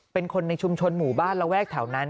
เป็นคนในชุมชนหมู่บ้านระแวกแถวนั้น